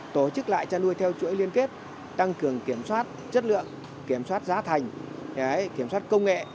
tổ chức lại chăn nuôi theo chuỗi liên kết tăng cường kiểm soát chất lượng kiểm soát giá thành kiểm soát công nghệ